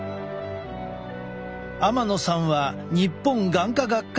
天野さんは日本眼科学会